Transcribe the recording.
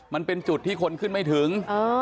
มันเป็นจุดที่คนขึ้นไม่ถึง